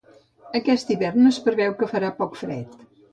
Aquest hivern es preveu que farà poc fred.